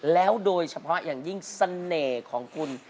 แล้วโดยเฉพาะอย่างยิ่งเสน่ห์ของคุณ